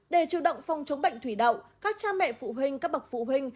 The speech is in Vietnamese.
để chủ động phòng chống bệnh thủy đậu các cha mẹ phụ huynh các bậc phụ huynh